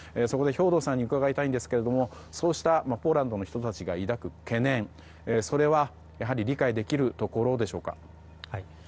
そこで兵頭さんに伺いたいんですがそうしたポーランドの人たちが抱く懸念それはやはり理解できるところでしょうか。